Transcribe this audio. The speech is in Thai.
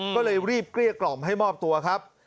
ก็เลยรีบเกลี้ยกล่อมให้มอบตัวครับ